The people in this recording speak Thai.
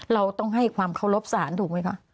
เราต้องให้ความเคารพสารถูกไหมคะ